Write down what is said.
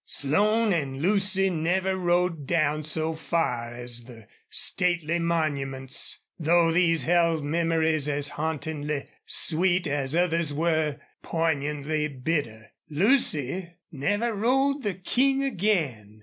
Slone and Lucy never rode down so far as the stately monuments, though these held memories as hauntingly sweet as others were poignantly bitter. Lucy never rode the King again.